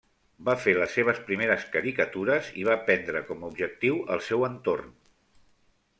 Va fer les seves primeres caricatures i va prendre com a objectiu el seu entorn.